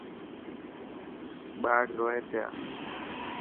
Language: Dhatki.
ٻاڙ روئي پيا.